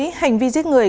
với hành vi giết người